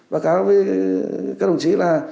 báo cáo với các đồng chí là